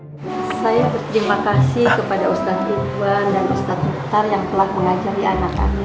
yang telah mengajari anak anak